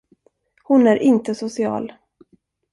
Hon är inte social.